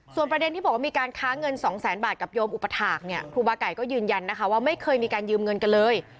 ประเด็นที่บอกว่ามีการค้าเงินสองแสนบาทกับโยมอุปถาคเนี่ยครูบาไก่ก็ยืนยันนะคะว่าไม่เคยมีการยืมเงินกันเลย